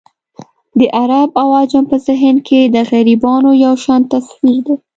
د عرب او عجم په ذهن کې د غربیانو یو شان تصویر دی.